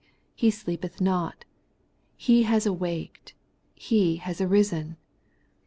He sleepeth not : He has awaked ; He has arisen.